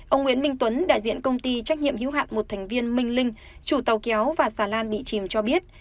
ông nguyễn minh tuấn đại diện công ty trách nhiệm hữu hạn một thành viên minh linh chủ tàu kéo và xà lan bị chìm cho biết